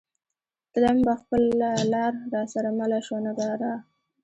تلم به خپله لار را سره مله شوه نگارا